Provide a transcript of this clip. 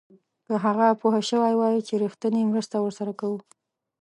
که هغه پوه شوی وای چې رښتینې مرسته ورسره کوو.